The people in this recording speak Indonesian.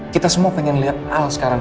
kita semua pengen lihat al sekarang